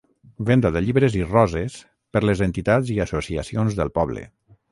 Venda de llibres i roses per les entitats i associacions del poble.